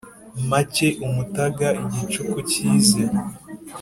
mpake umutaga igicuku kize